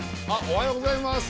おはようございます。